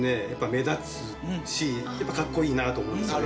目立つしやっぱかっこいいなと思うんですよね。